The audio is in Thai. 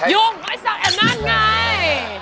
ยุ่งไอ้สักแอบนั้นไง